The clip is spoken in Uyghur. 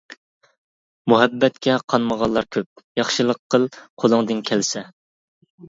مۇھەببەتكە قانمىغانلار كۆپ، ياخشىلىق قىل قۇلۇڭدىن كەلسە.